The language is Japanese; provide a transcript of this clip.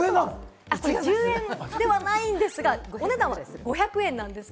１０円ではないんですが、お値段は５００円です。